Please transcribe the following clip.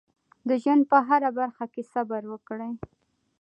د ژوند په هره برخه کې صبر وکړئ.